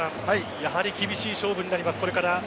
やはり厳しい勝負になります。